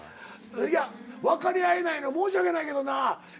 いや分かり合えないの申し訳ないけどな。